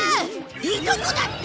いとこだって！